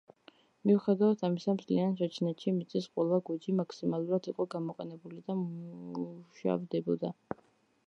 მიუხედავად ამისა, მთიან ჩაჩნეთში მიწის ყველა გოჯი მაქსიმალურად იყო გამოყენებული და მუშავდებოდა.